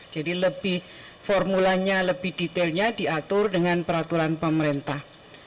jadi lebih formulanya lebih detailnya diatur dengan peraturan pemerintah